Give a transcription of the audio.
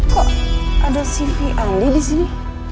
kok ada simpi andi di sini